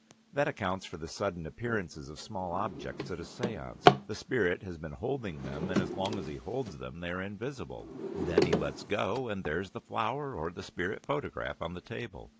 That accounts for the sudden appearances of small objects at a séance. The spirit has been holding them, and as long as he holds them they are invisible. "Then he lets go, and there's the flower or the spirit photograph on the table.